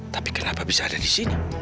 tapi kenapa bisa ada di sini